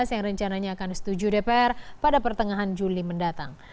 yang rencananya akan setuju dpr pada pertengahan juli mendatang